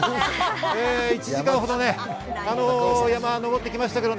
１時間ほど山を登ってきました。